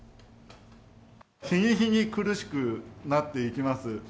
日に日に苦しくなっていきます。